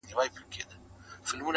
ورځه وريځي نه جــلا ســـولـه نـــن~